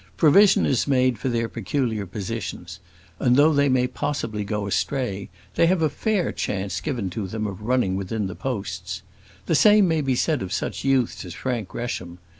Provision is made for their peculiar positions: and, though they may possibly go astray, they have a fair chance given to them of running within the posts. The same may be said of such youths as Frank Gresham.